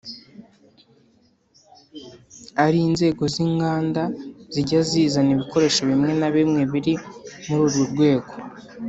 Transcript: ari inzego z’inganda zijya zizana ibikoresho bimwe na bimwe biri muri urwo rwego